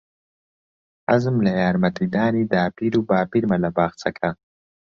حەزم لە یارمەتیدانی داپیر و باپیرمە لە باخچەکە.